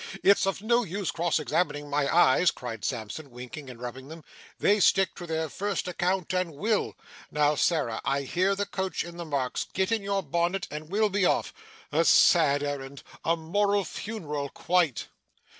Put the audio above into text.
It's of no use cross examining my eyes,' cried Sampson, winking and rubbing them, 'they stick to their first account, and will. Now, Sarah, I hear the coach in the Marks; get on your bonnet, and we'll be off. A sad errand! a moral funeral, quite!